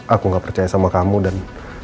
aku gak percaya sama kamu dan